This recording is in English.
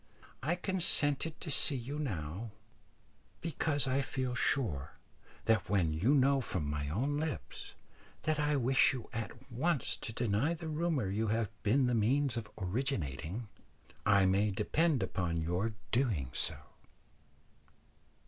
I consented to see you now, because I feel sure that when you know from my own lips that I wish you at once to deny the rumour you have been the means of originating, I may depend upon your doing so."